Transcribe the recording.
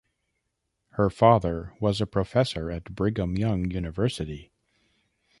Her father was a professor at Brigham Young University.